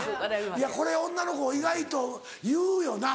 いやこれ女の子意外と言うよな。